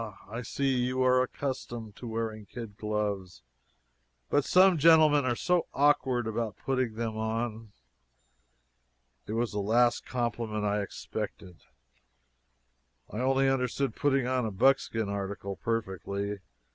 I see you are accustomed to wearing kid gloves but some gentlemen are so awkward about putting them on." It was the last compliment I had expected. I only understand putting on the buckskin article perfectly.